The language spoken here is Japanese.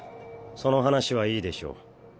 その話はいいでしょう。